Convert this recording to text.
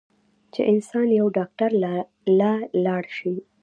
چې انسان يو ډاکټر له لاړشي